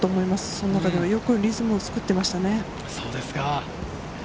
その中でも良くリズムを作っていましたね。